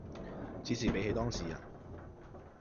只是比起當時人